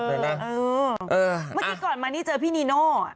เมื่อกี้ก่อนมานี่เจอพี่นีโน่